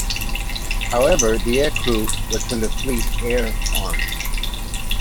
However, the aircrew was from the Fleet Air Arm.